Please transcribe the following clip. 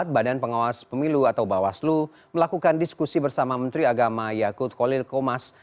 badan pengawas pemilu atau bawaslu melakukan diskusi bersama menteri agama yakut kolil komas